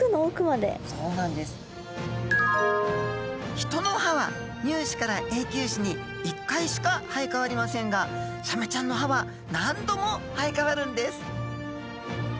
人の歯は乳歯から永久歯に１回しか生えかわりませんがサメちゃんの歯は何度も生えかわるんです